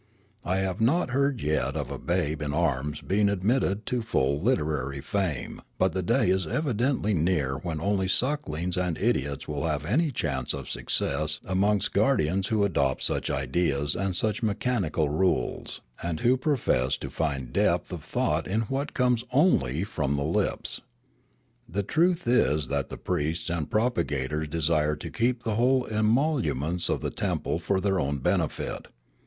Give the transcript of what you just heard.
I have not heard yet of a babe in arms being admitted to full literary fame; but the day is evidently near when only sucklings and idiots will have any chance of success amongst guardians who adopt such ideals and such mechanical rules, and who profess to find depth of thought in what comes only from the lips. The truth is that the priests and propagators de sire to keep the whole emoluments of the temple for their own benefit.